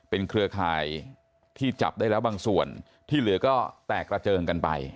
เครือข่ายที่จับได้แล้วบางส่วนที่เหลือก็แตกระเจิงกันไป